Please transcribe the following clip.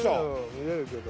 見えるけど。